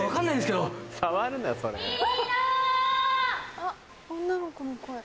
・あっ女の子の声。